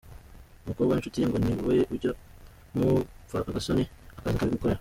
Umukobwa w’inshuti ye ngo niwe ujya amupfa agasoni akaza akabimukorera.